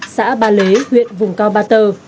xã ba lế huyện vùng cao ba tơ